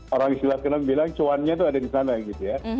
orang silat kenal bilang cuannya tuh ada di sana gitu ya